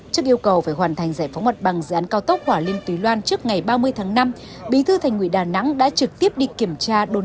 tiến độ bàn giao mật bằng cao tốc bắc nam phía đông